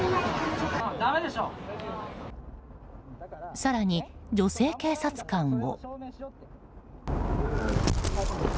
更に、女性警察官を。